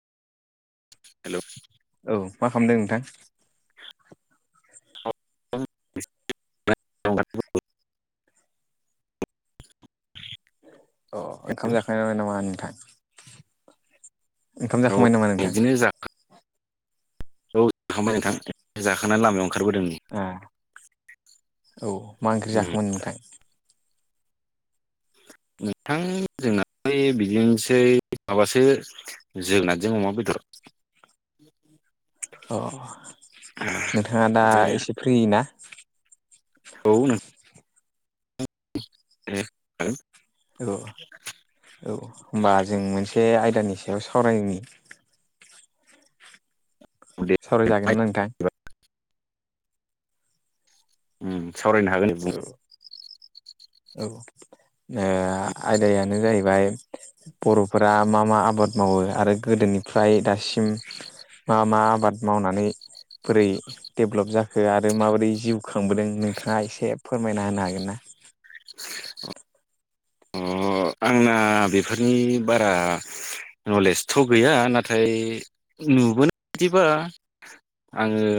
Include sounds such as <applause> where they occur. Hello औ मा खालामदों नोंथां? <unintelligible> अ ओंखाम जाखांबायबो नामा नोंथां ओंखाम औ जाखांबाय नामा नोंथां? बिदिनो जाखा औ जाखांबाय नोंथां जाखांनानै लामायाव ओंखारबोदों आ औ मा ओंख्रि उम जाखोमोन नोंथां नोंथां जोंनालाय बिदिनोसै माबासो जोगोनारजों अमा बेदर अ नोंथाङा दा एसे फ्रि ना औ नों <inaudible> औ औ औ होनोमबा जों मोनसे आयदानि सायाव सावरायनि नों दे सावराय जागोन ना नोंथां उम सावरायनो हागोन दे बुं औ औ ओ आयदायानो जाहैबाय बर'फोरा मा मा आबाद मावो आरो गोदोनिफ्राय दासिम मा मा आबाद मावनानै बोरै डेभलप जाखो आरो माबोरै जिउ खांबोदों नोंथाङा एसे फोरमायना होनो हागोन ना <inaudible> अ आंना बेफोरनि बारा नलेजथ' गैया नाथाय नुबोनाय बायदिबा आङो